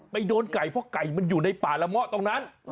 โดนไก่เพราะไก่มันอยู่ในป่าละเมาะตรงนั้น